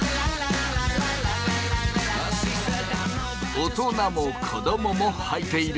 大人も子供もはいている